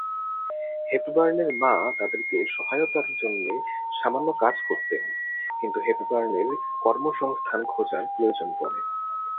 হেপবার্নের মা তাদেরকে সহায়তার জন্যে সামান্য কাজ করতেন কিন্তু হেপবার্নের কর্মসংস্থান খোঁজার প্রয়োজন পড়ে।